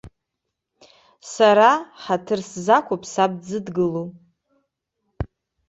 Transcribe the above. Сара ҳаҭыр сзақәуп саб дзыдгыло.